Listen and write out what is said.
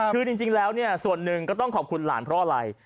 คือจริงแล้วเนี่ยส่วนหนึ่งก็ต้องขอบคุณหลานเพราะอะไร